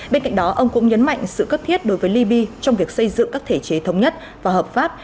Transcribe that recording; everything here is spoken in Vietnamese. bên cạnh đó ông cũng nhấn mạnh sự cấp thiết đối với liby trong việc xây dựng các thể chế thống nhất và hợp pháp